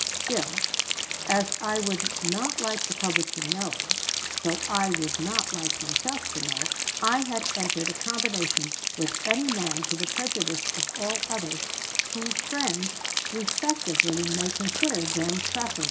Still, as I would not like the public to know, so I would not like myself to know, I had entered a combination with any man to the prejudice of all others whose friends respectively may consider them preferable."